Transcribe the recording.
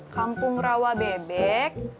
kampung rawa bebek